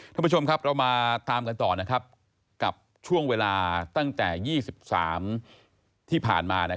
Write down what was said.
ท่านผู้ชมครับเรามาตามกันต่อกับช่วงเวลาตั้งแต่๒๓ที่ผ่านมา